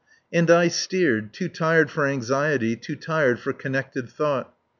And I steered, too tired for anxiety, too tired for connected thought.